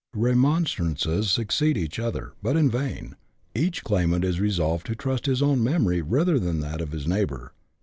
Remonstrances succeed each other, but in vain ; each claimant is resolved to trust to his own memory rather than to that of his neighbour.